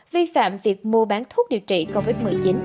vi phạm việc mua bán thuốc điều trị covid một mươi chín